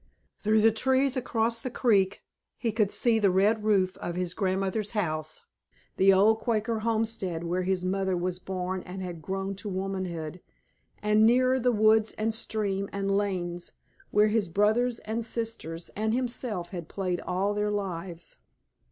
Through the trees across the creek he could see the red roof of his grandmother's house, the old Quaker homestead where his mother was born and had grown to womanhood, and nearer the woods and stream and lanes where his brothers and sisters and himself had played all their lives.